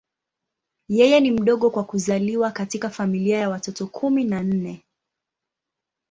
Yeye ni mdogo kwa kuzaliwa katika familia ya watoto kumi na nne.